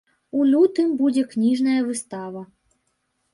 У лютым будзе кніжная выстава.